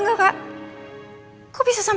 ada orang di depan